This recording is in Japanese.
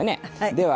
では